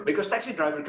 dan saya berkata